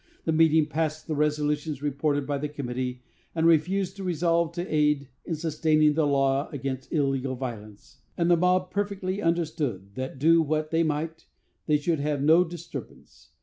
The meeting passed the resolutions reported by the committee, and refused to resolve to aid in sustaining the law against illegal violence; and the mob perfectly understood that, do what they might, they should have no disturbance.